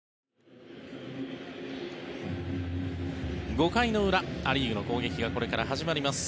５回の裏ア・リーグの攻撃がこれから始まります。